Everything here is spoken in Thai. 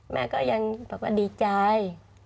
แม่ก็ยังบอกว่าดีใจ